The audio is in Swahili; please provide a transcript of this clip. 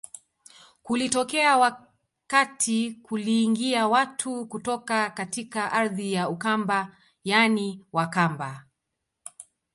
Kulitokea wakati kuliingia watu kutoka katika ardhi ya Ukamba yaani Wakamba